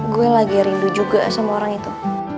gue lagi rindu juga sama orang itu